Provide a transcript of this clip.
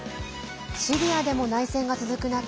シリアでも内戦が続く中